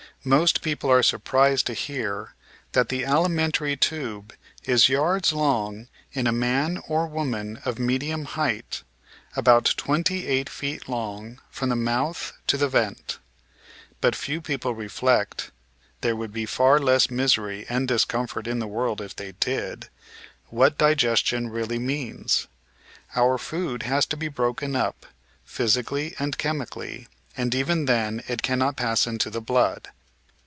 Most people are surprised to hear that the alimentary tube is yards long in a man or woman of medium height, about twenty eight feet long from the mouth to the vent. But few people reflect — ^there would be far less misery and discomfort in the world if they did — what digestion really means. Our food has to be broken up, physically and chemically, and even then it cannot pass into the blood.